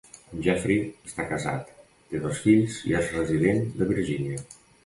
En Jeffrey està casat, té dos fills i és resident de Virgínia.